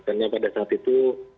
karena pada saat itu